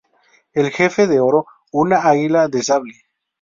El jefe de oro, una águila de sable.≫